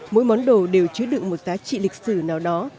mỗi món đồ đều chứa đựng một giá trị lịch sử nào đó